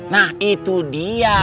nah itu dia